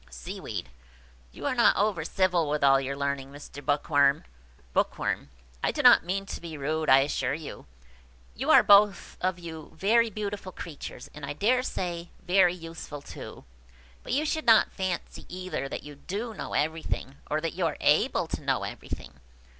Seaweed. "You are not over civil, with all your learning, Mr. Bookworm." Bookworm. "I do not mean to be rude, I assure you. You are both of you very beautiful creatures, and, I dare say, very useful too. But you should not fancy either that you do know everything, or that you are able to know everything.